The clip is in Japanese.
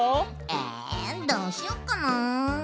えどうしよっかな？